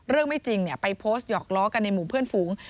ไม่จริงไปโพสต์หยอกล้อกันในหมู่เพื่อนฝูง